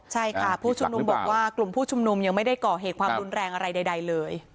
ใช่ค่ะผู้ชุมนุมบอกว่ากลุ่มผู้ชุมนุมยังไม่ได้ก่อเหตุความรุนแรงอะไรใดเลย